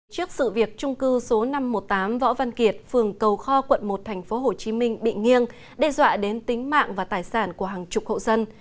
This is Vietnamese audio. trước sự việc trung cư số năm trăm một mươi tám võ văn kiệt phường cầu kho quận một tp hcm bị nghiêng đe dọa đến tính mạng và tài sản của hàng chục hộ dân